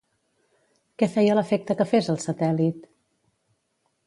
Què feia l'efecte que fes el satèl·lit?